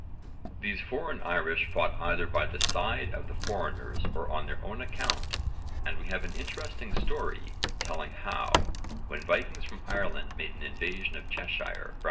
These foreign Irish fought either by the side of the foreigners or on their own account and we have an interesting story telling how, when Vikings from Ireland made an invasion of Cheshire (c.